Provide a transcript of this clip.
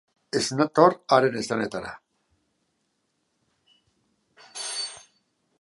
Ez nator haren esanetara.